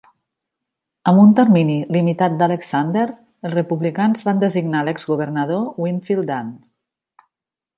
Amb un termini limitat d'Alexander, els republicans van designar l'ex governador Winfield Dunn.